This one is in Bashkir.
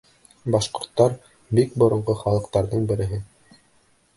Башҡорттар — бик боронғо халыҡтарҙың береһе.